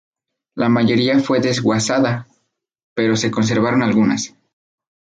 La mayoría fue desguazada, pero se conservaron algunas.